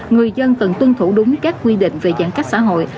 người dân cần tuân thủ đúng các quy định về giãn cách xã hội